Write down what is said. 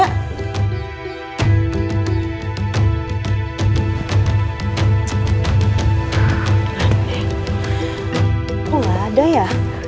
kok gak ada ya